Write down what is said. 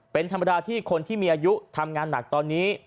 เป็นธรรมดาที่คนที่มีอายุทำงานหนักตอนนี้